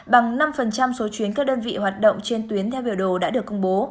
bằng năm số chuyến các đơn vị hoạt động trên tuyến theo biểu đồ đã được công bố